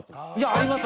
あります